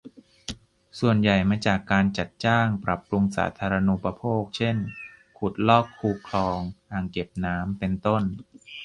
ส่วนใหญ่มาจากการจัดจ้าง ปรับปรุงสาธารณูปโภค เช่น ขุดลอก คู คลอง อ่างเก็บน้ำ เป็นต้น